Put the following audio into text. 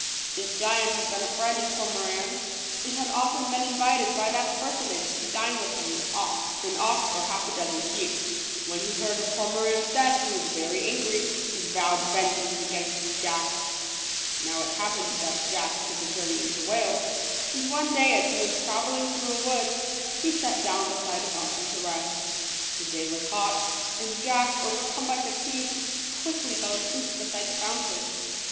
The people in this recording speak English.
This giant had been a friend of Cormoran's, and had often been invited by that personage to dine with him off an ox or half a dozen sheep. When he heard of Cormoran's death he was very angry, and vowed vengeance against Jack. Now it happened that Jack took a journey into Wales; and one day, as he was traveling through a wood, he sat down beside a fountain to rest. The day was hot; and Jack, over come by fatigue, quickly fell asleep beside the fountain.